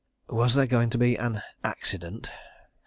... Was there going to be an "accident"?